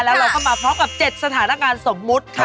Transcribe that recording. แล้วเราก็มาพร้อมกับ๗สถานการณ์สมมุติค่ะ